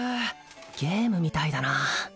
ゲームみたいだなあ